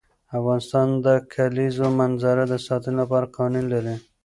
افغانستان د د کلیزو منظره د ساتنې لپاره قوانین لري.